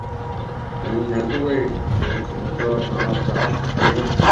铜钱树为鼠李科马甲子属下的一个种。